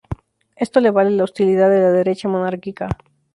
Esto le vale la hostilidad de la derecha monárquica.